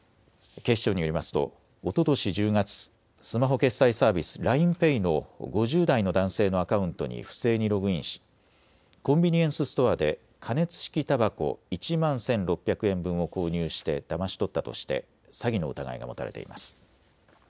警視庁によりますとおととし１０月、スマホ決済サービス、ＬＩＮＥＰａｙの５０代の男性のアカウントに不正にログインしコンビニエンスストアで加熱式たばこ１万１６００円分を購入してだまし取ったとして詐欺の疑いが持たれています。